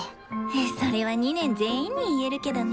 それは２年全員に言えるけどね。